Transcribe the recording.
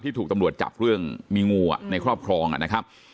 ถูกตำรวจจับเรื่องมีงูในครอบครองนะครับ